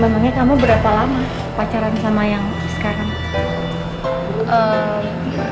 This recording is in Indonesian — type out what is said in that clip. emangnya kamu berapa lama pacaran sama yang sekarang